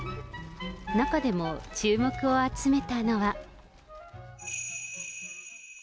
中でも注目を集めたのは。